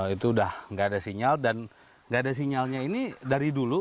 itu udah nggak ada sinyal dan nggak ada sinyalnya ini dari dulu